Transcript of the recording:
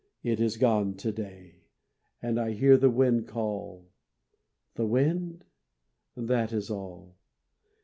It is gone to day And I hear the wind call. The wind?... that is all.